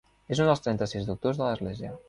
És un dels trenta-sis Doctors de l'Església.